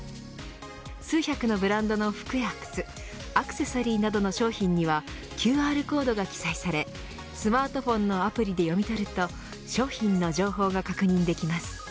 数百のブランドの服や靴アクセサリーなどの商品にはＱＲコードが記載されスマートフォンのアプリで読み取ると商品の情報が確認できます。